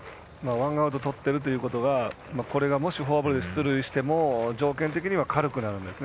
ワンアウトとってるということがこれがもしフォアボールで出塁しても条件的には軽くなるんですね。